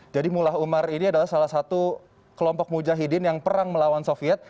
jadi mullah umar ini adalah salah satu kelompok mujahidin yang perang melawan soviet